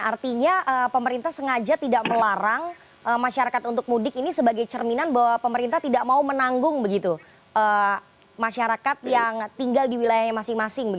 artinya pemerintah sengaja tidak melarang masyarakat untuk mudik ini sebagai cerminan bahwa pemerintah tidak mau menanggung masyarakat yang tinggal di wilayahnya masing masing